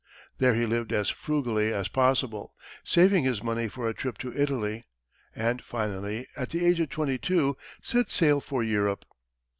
There he lived as frugally as possible, saving his money for a trip to Italy, and finally, at the age of twenty two, set sail for Europe.